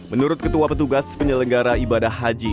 menurut ketua petugas penyelenggara ibadah haji